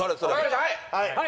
はい！